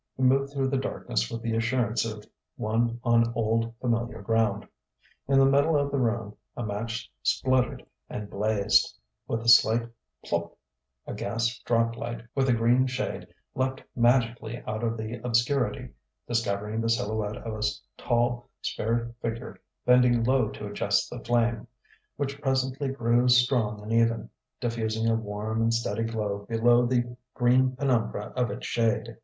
He moved through the darkness with the assurance of one on old, familiar ground. In the middle of the room a match spluttered and blazed: with a slight plup! a gas drop light with a green shade leapt magically out of the obscurity, discovering the silhouette of a tall, spare figure bending low to adjust the flame; which presently grew strong and even, diffusing a warm and steady glow below the green penumbra of its shade.